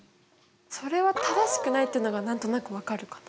それは正しくないっていうのが何となく分かるかな。